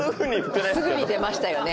すぐに出ましたよね